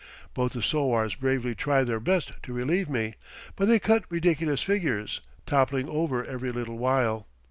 Both the sowars bravely try their best to relieve me, but they cut ridiculous figures, toppling over every little while.